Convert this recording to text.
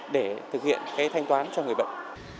để thực hiện cái thanh toán cho người bệnh